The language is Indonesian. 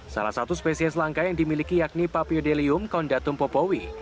salah satu spesies langka yang dimiliki yakni papiodelium kondatum popowi